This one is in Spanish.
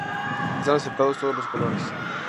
Están aceptados todos los colores.